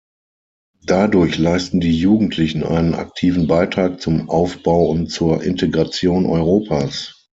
Dadurch leisten die Jugendlichen einen aktiven Beitrag zum Aufbau und zur Integration Europas.